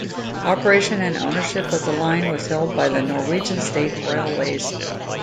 Operation and ownership of the line was held by the Norwegian State Railways.